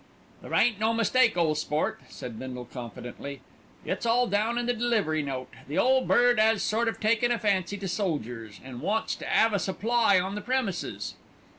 "There ain't no mistake, ole sport," said Bindle confidently. "It's all down in the delivery note. The Ole Bird 'as sort o' taken a fancy to soldiers, an' wants to 'ave a supply on the premises."